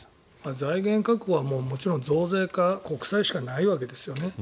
財源確保はもちろん増税か国債しかないわけですよね。